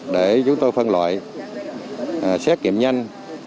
để chúng tôi phân loại xét nghiệm nhanh